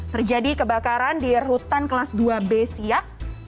terjadi kebakaran di rutan kelas dua b siak